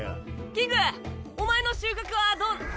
キングお前の収穫はどう。